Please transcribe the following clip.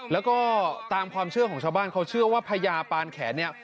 แล้วก็ตามความเชื่อของชาวบ้านเขาเชื่อว่าพญาปานแขนเนี่ย